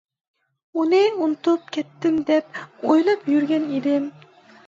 ئۇنى ئۇنتۇپ كەتتىم دەپ ئويلاپ يۈرگەن ئىدىم.